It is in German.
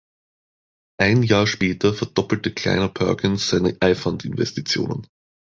Ein Jahr später verdoppelte Kleiner Perkins seine iFund-Investitionen.